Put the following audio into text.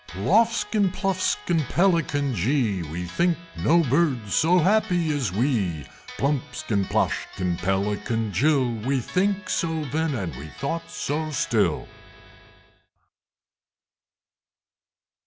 Ploffskin, Pluffskin, Pelican jee! We think no Birds so happy as we! Plumpskin, Ploshkin, Pelican jill! We think so then, and we thought so still!